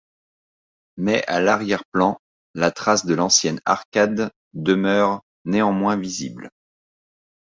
Mais à l'arrière-plan, la trace de l'ancienne arcade demeure néanmoins visible.